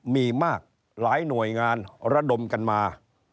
มีมากหลายหน่วยงานระดมกันมา